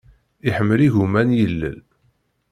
Iḥemmel igumma n yilel.